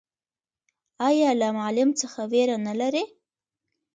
ایا له معلم څخه ویره نلري؟